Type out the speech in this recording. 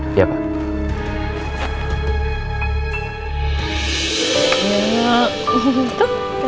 saya coba telfon riki sekarang ya